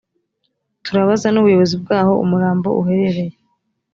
turabaza n’ubuyobozi bw’aho umurambo uherereye